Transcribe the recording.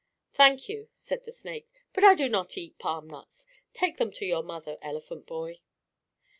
"Thank you," said the snake. "But I do not eat palm nuts. Take them on to your mother, elephant boy."